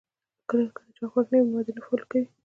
کۀ د چا خوښ نۀ يم ما دې نۀ فالو کوي -